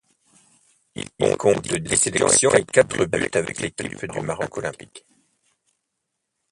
Il compte dix sélections et quatre buts avec l'équipe du Maroc olympique.